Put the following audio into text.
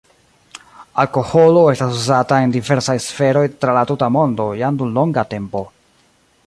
Alkoholo estas uzata en diversaj sferoj tra la tuta mondo jam dum longa tempo.